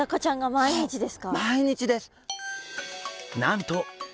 毎日です。